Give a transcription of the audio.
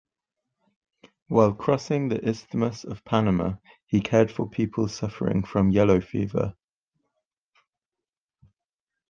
While crossing the Isthmus of Panama, he cared for people suffering from yellow fever.